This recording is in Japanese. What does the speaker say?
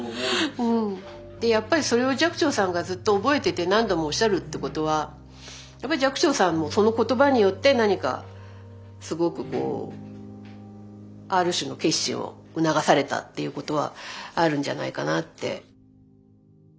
でやっぱりそれを寂聴さんがずっと覚えてて何度もおっしゃるってことはやっぱり寂聴さんもその言葉によって何かすごくこうある種の決心を促されたっていうことはあるんじゃないかなって。